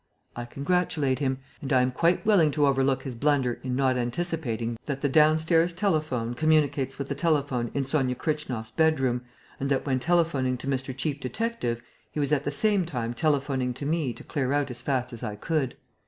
I congratulate him; and I am quite willing to overlook his blunder in not anticipating that the downstairs telephone communicates with the telephone in Sonia Kritchnoff's bedroom and that, when telephoning to Mr. Chief detective, he was at the same time telephoning to me to clear out as fast as I could.